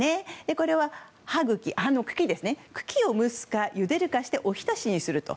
これは葉茎を蒸すかゆでるかしておひたしにすると。